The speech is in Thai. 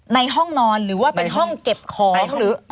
ในห้องนอนหรือว่าเป็นห้องเก็บของหรือ